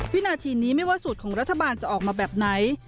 วินาทีนี้ไม่ว่าสูตรของรัฐบาลจะออกมาแบบไหน